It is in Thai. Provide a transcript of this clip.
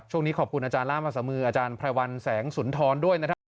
ช่วงนี้ขอบคุณอาจารย์ล่ามภาษามืออาจารย์ไพรวัลแสงสุนทรด้วยนะครับ